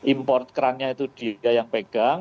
import kran nya itu dia yang pegang